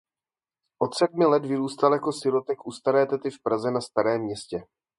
Od sedmi let vyrůstal jako sirotek u staré tety v Praze na Starém Městě.